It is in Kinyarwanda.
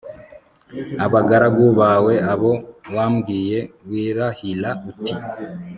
abagaragu bawe abo wabwiye wirahira uti